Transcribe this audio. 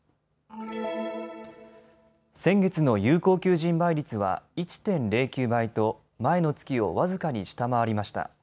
先月の有効求人倍率は１．０９倍と前の月を僅かに下回りました。